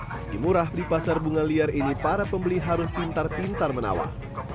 meski murah di pasar bunga liar ini para pembeli harus pintar pintar menawar